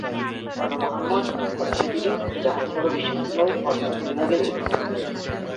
আনু মুহাম্মদ অর্থনীতিবিদ ও জাহাঙ্গীরনগর বিশ্ববিদ্যালয়ের অর্থনীতি বিভাগের অধ্যাপক